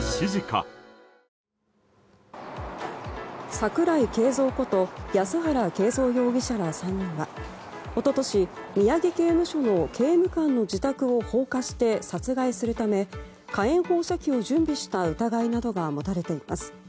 桜井景三こと安原景三容疑者ら３人は一昨年、宮城刑務所の刑務官の自宅を放火して殺害するため火炎放射器を準備した疑いなどが持たれています。